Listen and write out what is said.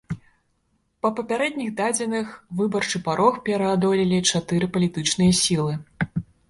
Па папярэдніх дадзеных, выбарчы парог пераадолелі чатыры палітычныя сілы.